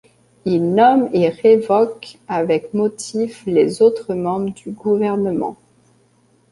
Il nomme et révoque, avec motif, les autres membres du gouvernement.